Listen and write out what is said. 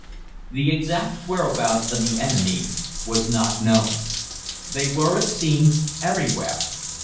The exact whereabouts of the enemy was not known. They were, it seemed, everywhere.